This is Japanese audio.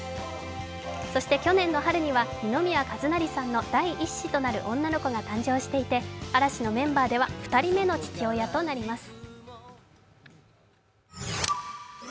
そして去年の春には二宮和也さんの第１子となる女の子が誕生していて嵐のメンバーでは２人目の父親となります。